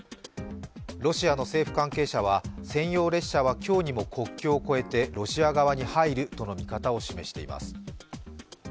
ロシアの政府関係者は専用列車は今日にも国境を越えてロシア側に入るとの見方を示しています。